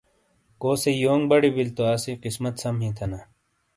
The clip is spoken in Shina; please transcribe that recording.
کوسئی یونگ بڑی بِیلی تو آسئی قِسمت سَم بِیں تھینا۔